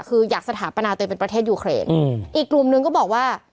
คืออยากสถาปนาตัวเองเป็นประเทศยูเครนอืมอีกกลุ่มหนึ่งก็บอกว่า